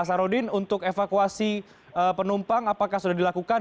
pak saharudin untuk evakuasi penumpang apakah sudah dilakukan